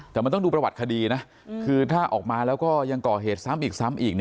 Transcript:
แต่มันต้องดูประวัติคดีนะคือถ้าออกมาแล้วก็ยังก่อเหตุซ้ำอีกซ้ำอีก